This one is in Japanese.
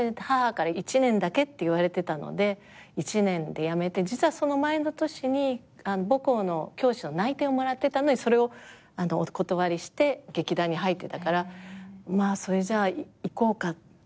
母から１年だけって言われてたので１年で辞めて実はその前の年に母校の教師の内定をもらってたのにそれをお断りして劇団に入ってたからそれじゃあいこうか。